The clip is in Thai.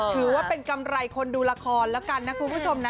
ถือว่าเป็นกำไรคนดูละครแล้วกันนะคุณผู้ชมนะ